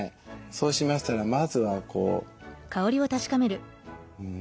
そうしましたらまずはこう。